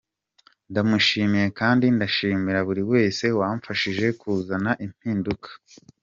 Ndamushimiye kandi ndashimira buri wese wamfashije kuzana impinduka.